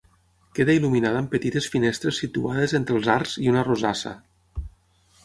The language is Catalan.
Queda il·luminada amb petites finestres situades entre els arcs i una rosassa.